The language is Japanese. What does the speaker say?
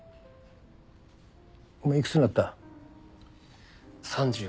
お前幾つになった？